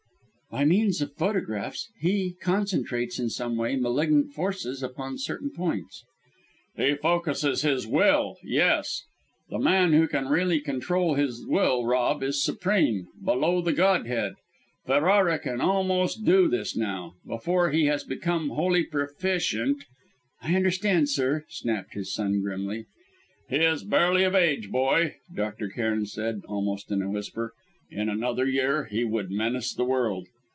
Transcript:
"By means of photographs he concentrates, in some way, malignant forces upon certain points " "He focusses his will yes! The man who can really control his will, Rob, is supreme, below the Godhead. Ferrara can almost do this now. Before he has become wholly proficient " "I understand, sir," snapped his son grimly. "He is barely of age, boy," Dr. Cairn said, almost in a whisper. "In another year, he would menace the world.